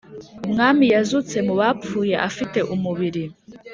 Umwami yazutse mubapfuye afite umubiri